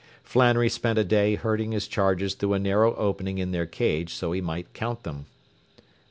Flannery spent a day herding his charges through a narrow opening in their cage so that he might count them.